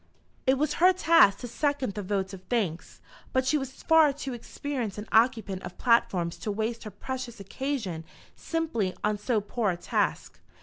It was her task to second the vote of thanks, but she was far too experienced an occupant of platforms to waste her precious occasion simply on so poor a task.